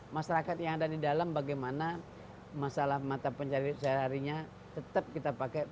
masyarakat yang ada di dalam bagaimana masalah mata pencarian seharinya tetap kita pakai